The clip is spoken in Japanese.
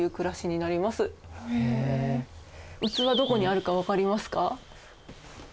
器どこにあるか分かりますか？